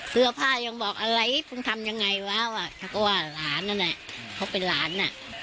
เสื้อผ้ายังบอกอะไรมึงทำยังไงวะเขาก็ว่าหลานนั่นแหละเขาเป็นหลานอ่ะ